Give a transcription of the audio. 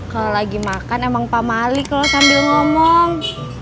kalau sedang makan memang pak malik lo sambil ngomong